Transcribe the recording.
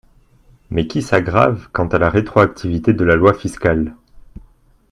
mais qui s’aggravent, quant à la rétroactivité de la loi fiscale.